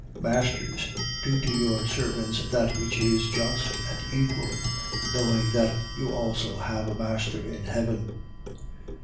4:1. Masters, do to your servants that which is just and equal: knowing that you also have a master in heaven.